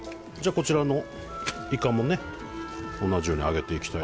こちらのイカもね同じように揚げていきたい